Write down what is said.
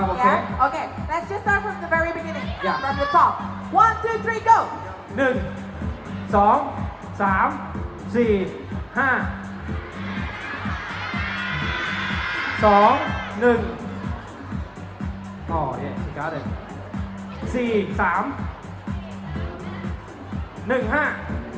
สองห้าสามสองสองสามสี่สองสามสี่สองสี่ห้า